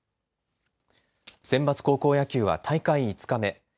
センバツ高校野球は大会５日目。